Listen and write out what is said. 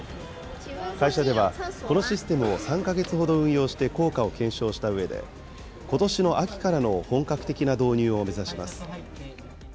会社ではこのシステムを３か月ほど運用して効果を検証したうえで、ことしの秋からの本格的な導入を目指します。